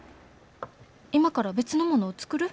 今から別のものを作る？